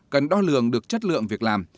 cần đo lường được chất lượng việc làm